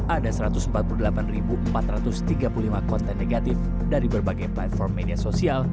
ada satu ratus empat puluh delapan empat ratus tiga puluh lima konten negatif dari berbagai platform media sosial